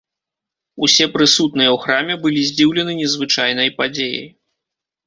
Усе прысутныя ў храме былі здзіўлены незвычайнай падзеяй.